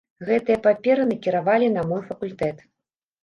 Гэтыя паперы накіравалі на мой факультэт.